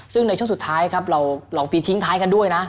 ซึ่งในช่วงสุดท้ายครับเราลองปีทิ้งท้ายกันด้วยนะ